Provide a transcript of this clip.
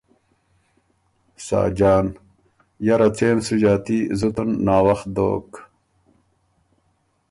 ساجان ـــ یرا څېن سُو ݫاتی، زُتن ناوخت دوک،